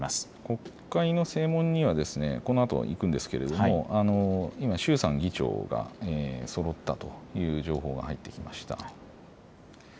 国会の正門にはこのあと行くんですけれども今、衆参議長がそろったという情報が入ってきました。